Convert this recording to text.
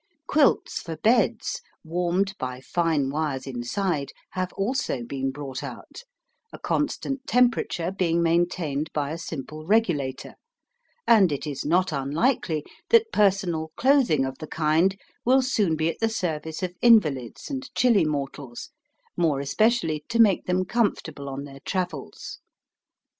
Quilts for beds, warmed by fine wires inside, have also been brought out, a constant temperature being maintained by a simple regulator, and it is not unlikely that personal clothing of the kind will soon be at the service of invalids and chilly mortals, more especially to make them comfortable on their travels.